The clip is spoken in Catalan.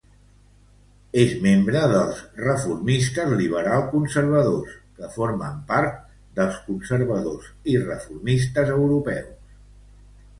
És membre dels Reformistes Liberal-Conservadors, que forma part dels Conservadors i Reformistes Europeus.